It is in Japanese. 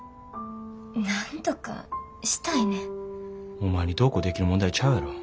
お前にどうこうできる問題ちゃうやろ。